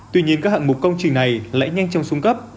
tuy nhiên các hạng mục công trình này lại nhanh trong súng cấp